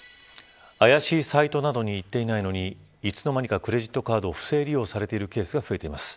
怪しいサイトなどにいっていないのに、いつの間にかクレジットカードを不正利用されているケースが増えています。